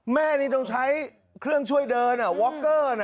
แม่นี่ต้องใช้เครื่องช่วยเดินวอคเกอร์นะ